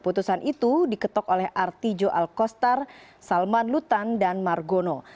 putusan itu diketok oleh artijo alkostar salman lutan dan margono